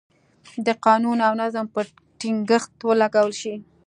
د قانون او نظم پر ټینګښت ولګول شوې.